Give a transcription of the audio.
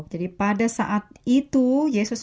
jadi pada saat itu yesus